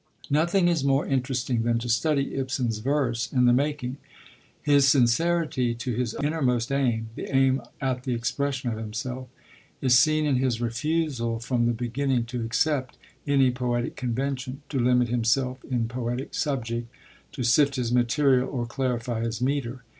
Nothing is more interesting than to study Ibsen's verse in the making. His sincerity to his innermost aim, the aim at the expression of himself, is seen in his refusal from the beginning to accept any poetic convention, to limit himself in poetic subject, to sift his material or clarify his metre.